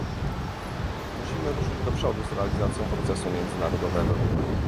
Musimy ruszyć do przodu z realizacją procesu międzynarodowego